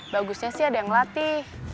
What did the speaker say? bagusnya sih ada yang latih